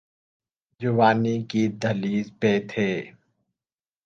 جوانی کی دہلیز پہ تھے۔